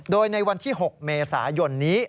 โดยในวันที่๖เมษายนนี้